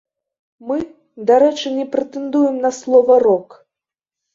Мы, дарэчы, не прэтэндуем на слова рок.